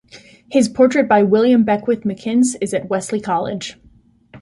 His portrait by William Beckwith McInnes is at Wesley College.